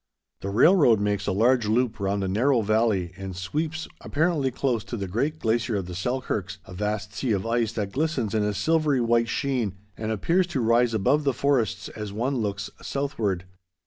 The railroad makes a large loop round a narrow valley and sweeps apparently close to the great glacier of the Selkirks, a vast sea of ice that glistens in a silvery white sheen and appears to rise above the forests as one looks southward.